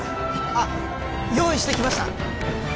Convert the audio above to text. あっ用意してきました